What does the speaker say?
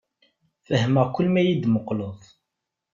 Fehmeɣ kul ma yi-d-muqleḍ.